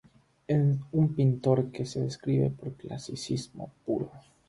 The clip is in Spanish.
Es un pintor que se adscribe al clasicismo puro.